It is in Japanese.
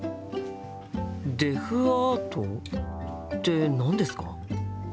デフアートって何ですか？